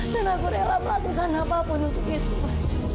dan aku rela melakukan apa pun untuk itu